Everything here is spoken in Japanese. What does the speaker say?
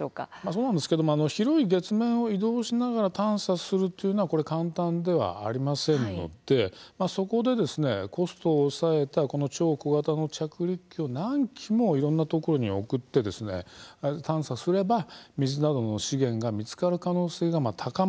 まあ、そうなんですけど広い月面を移動しながら探査するというのは簡単ではありませんのでそこで、コストを抑えた超小型の着陸機を何機もいろんなところに送って探査すれば、水などの資源が見つかる可能性が高まるということなんですね。